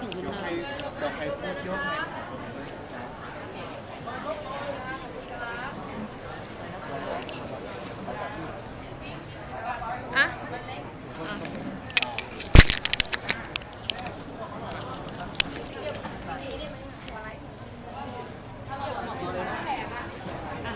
สวัสดีครับ